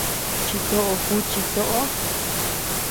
Chitoó juuchi toʼo.